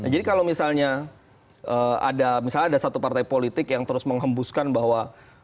jadi kalau misalnya ada satu partai politik yang terus mengembuskan bahwa